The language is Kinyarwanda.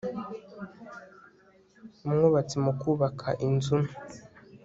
Umwubatsi mukubaka inzu nto